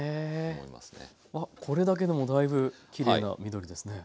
あっこれだけでもだいぶきれいな緑ですね。